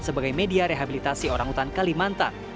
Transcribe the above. sebagai media rehabilitasi orang hutan kalimantan